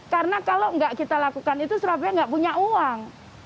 karena kalau nggak kita lakukan itu surabaya nggak punya uang